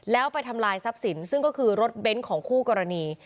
แล้วไปทำลายทรัพย์สินซึ่งก็คือรถเบนท์ของคู่กรณี